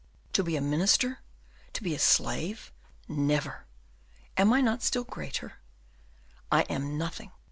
To be a minister to be a slave, never! Am I not still greater? I am nothing.